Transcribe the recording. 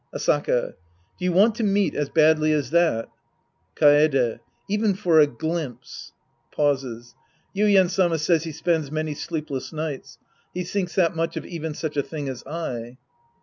Asaka. Do you want to meet as badly as that ? Kaede. Even for a glimpse. {Pauses.) Yuien Sama says he spends many sleepness nights. He thinks that much of even such a thing as I.